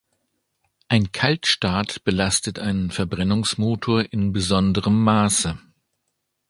Ein Kaltstart belastet einen Verbrennungsmotor in besonderem Maße.